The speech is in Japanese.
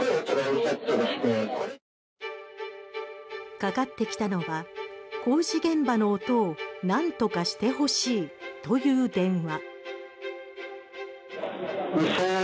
かかってきたのは工事現場の音を何とかしてほしいという電話。